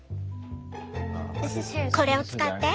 これを使って？